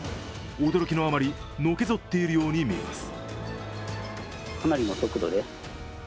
驚きのあまり、のけぞっているように見えます。